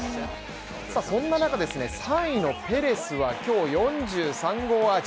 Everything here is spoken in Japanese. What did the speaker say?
そんな中、３位のペレスは今日４３号アーチ。